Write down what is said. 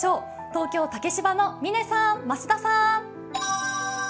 東京・竹芝の嶺さん、増田さん。